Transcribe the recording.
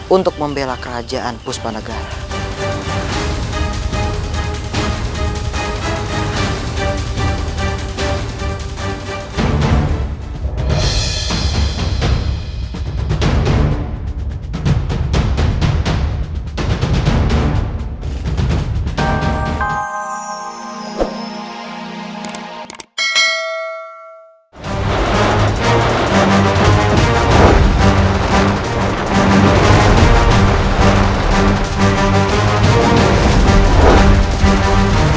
untuk membela kerajaan puspanegara